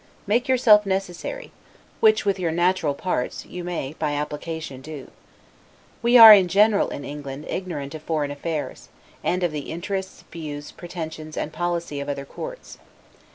Make yourself necessary; which, with your natural parts, you may, by application, do. We are in general, in England, ignorant of foreign affairs: and of the interests, views, pretensions, and policy of other courts.